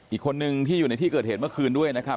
อีกคนนึงที่อยู่ในที่เกิดเหตุเมื่อคืนด้วยนะครับ